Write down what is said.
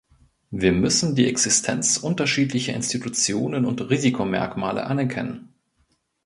Wir müssen die Existenz unterschiedlicher Institutionen und Risikomerkmale anerkennen.